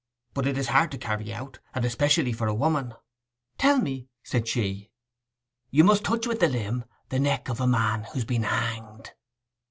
But it is hard to carry out, and especially for a woman.' 'Tell me!' said she. 'You must touch with the limb the neck of a man who's been hanged.